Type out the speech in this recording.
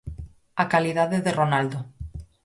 A calidade de Ronaldo.